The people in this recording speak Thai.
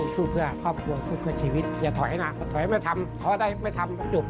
สู้เพื่อครอบครัวสู้เพื่อชีวิตอย่าถอยนะถอยไม่ทำถอยได้ไม่ทำจบ